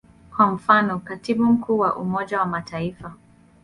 Kwa mfano, Katibu Mkuu wa Umoja wa Mataifa.